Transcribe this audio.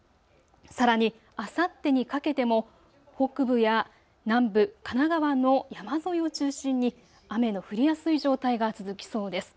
さらにあさってにかけても北部や南部、神奈川の山沿いを中心に雨の降りやすい状態が続きそうです。